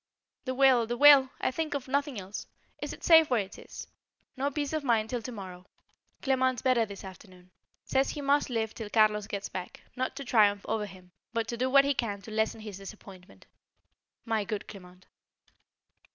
The will, the will! I think of nothing else. Is it safe where it is? No peace of mind till to morrow. Clement better this afternoon. Says he must live till Carlos gets back; not to triumph over him, but to do what he can to lessen his disappointment. My good Clement!